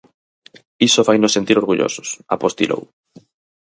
"Iso fainos sentir orgullosos", apostilou.